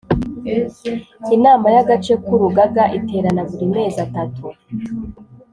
Inama y agace k Urugaga iterana buri mezi atatu